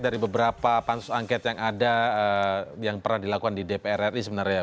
dari beberapa pansus angket yang ada yang pernah dilakukan di dpr ri sebenarnya